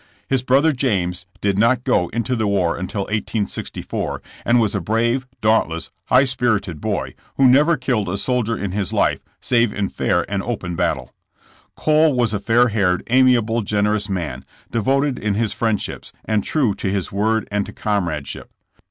His brother James did not go into the war until 1864, and was a brave, dauntless, high spirited boy who never killed a soldier in his life save in fair and open bat tle. Cole was a fair haired, amiable, generous man, devoted in his friendships, and true to his word and to comradeship.